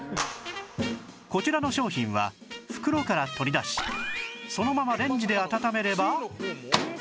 こちらの商品は袋から取り出しそのままレンジで温めれば